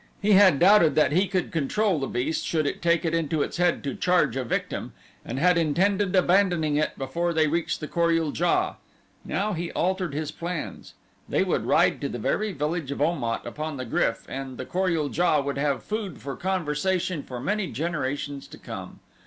He had doubted that he could control the beast should it take it into its head to charge a victim and had intended abandoning it before they reached the Kor ul JA. Now he altered his plans they would ride to the very village of Om at upon the GRYF, and the Kor ul JA would have food for conversation for many generations to come.